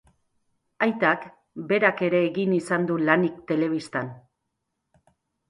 Aitak berak ere egin izan du lanik telebistan.